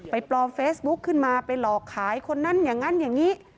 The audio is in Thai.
ปลอมเฟซบุ๊คขึ้นมาไปหลอกขายคนนั้นอย่างนั้นอย่างนี้